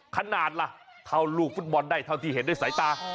ขนาดล่ะเท่าลูกฟุตบอลได้เท่าที่เห็นด้วยสายตา